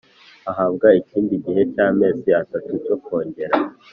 ahabwa ikindi gihe cy amezi atatu cyo kongera